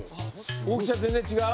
大きさ全然違う？